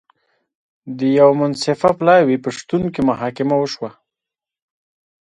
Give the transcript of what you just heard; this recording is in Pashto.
د یوه منصفه پلاوي په شتون کې محاکمه وشوه.